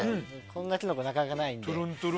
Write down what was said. こんなキノコなかなかないので。